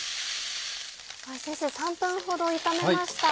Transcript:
先生３分ほど炒めました。